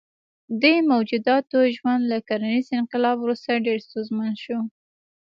دې موجوداتو ژوند له کرنیز انقلاب وروسته ډېر ستونزمن شو.